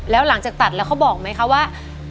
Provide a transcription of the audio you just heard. แล้วหลังจากตัดแล้วเขาบอกไหมคะว่า